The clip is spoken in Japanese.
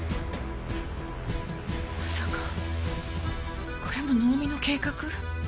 まさかこれも能見の計画？